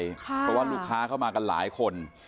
เพราะว่าลูกค้าเข้ามากันหลายคน